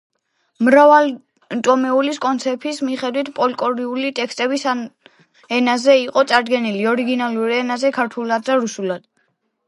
მრავალტომეულის კონცეფციის მიხედვით ფოლკლორული ტექსტები სამ ენაზე იყო წარდგენილი: ორიგინალის ენაზე, ქართულად და რუსულად.